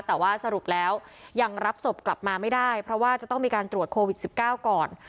แต่ว่าสรุปแล้วยังรับศพกลับมาไม่ได้เพราะว่าจะต้องมีการตรวจโควิด๑๙ก่อน